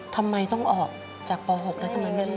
ทำไมต้องออกจากป๖แล้วทำไมไม่รู้